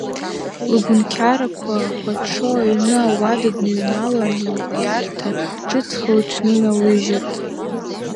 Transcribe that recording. Лыгәынқьрақәа хәаҽо аҩны ауада дныҩналан лиарҭа ҿыцха лыҽныналалыжьит.